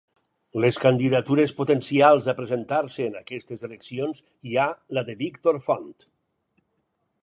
Les candidatures potencials a presentar-se en aquestes eleccions hi ha: la de Víctor Font.